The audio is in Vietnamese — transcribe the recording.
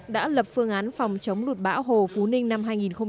đã lập phương án phòng chống lụt bão hồ phú ninh năm hai nghìn một mươi bảy